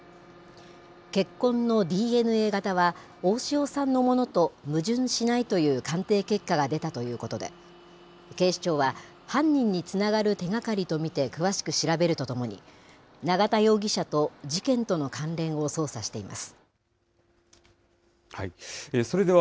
血痕のＤＮＡ型は、大塩さんのものと矛盾しないという鑑定結果が出たということで、警視庁は、犯人につながる手がかりと見て詳しく調べるとともに、永田容疑者と事件との関連を捜査しています。